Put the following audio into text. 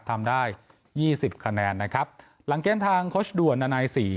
ทำได้ยี่สิบคะแนนนะครับหลังเกมทางโค้ชด่วนนานายสี่